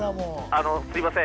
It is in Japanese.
あのすいません。